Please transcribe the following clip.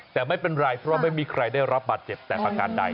แต่ไม่เป็นไรเพราะว่าไม่มีใครได้รับบาดเจ็บแต่ประการใด